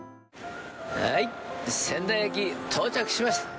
はい仙台駅到着しました。